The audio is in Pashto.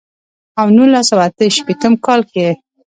او نولس سوه اتۀ شپېتم کال کښې ئې